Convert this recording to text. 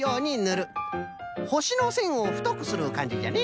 ほしのせんをふとくするかんじじゃね。